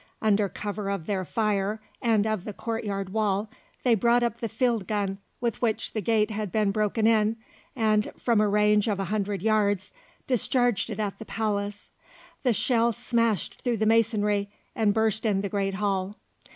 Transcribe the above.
Under cover of their fire, and of the courtyard wall, they brought up the field gun with which the gate had been broken in, and from a range of a hundred yards discharged it at the palace. The shell smashed through the masonry, and burst in the great hall.